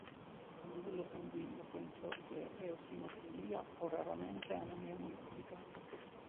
A livello sanguigno può insorgere eosinofilia o raramente anemia emolitica.